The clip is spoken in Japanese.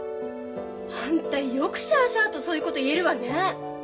あんたよくしゃあしゃあとそういうこと言えるわね。